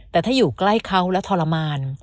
แต่ถ้าอยู่ใกล้เขาแล้วทรมาน